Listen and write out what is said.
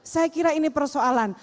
saya kira ini persoalan